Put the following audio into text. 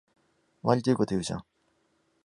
わりといいこと言うじゃん